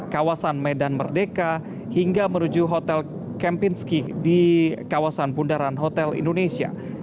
kawasan medan merdeka hingga menuju hotel kempinski di kawasan bundaran hotel indonesia